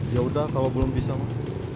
yaudah kalau belum bisa mah